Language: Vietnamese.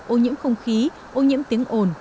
ô nhiễm không khí ô nhiễm tiếng ồn